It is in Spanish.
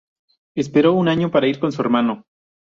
Esperó un año para ir con su hermano.